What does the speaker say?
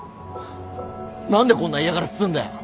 何でこんな嫌がらせすんだよ！